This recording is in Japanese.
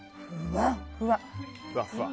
ふわっふわ。